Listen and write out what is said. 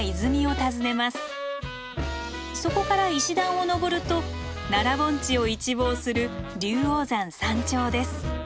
そこから石段を登ると奈良盆地を一望する龍王山山頂です。